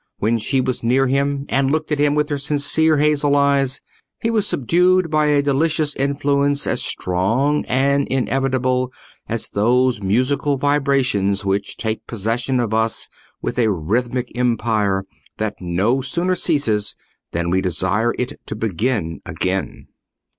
When she was near him, and looked at him with her sincere hazel eyes, he was subdued by a delicious influence as strong and inevitable as those musical vibrations which take possession of us with a rhythmic empire that no sooner ceases than we desire it to begin again.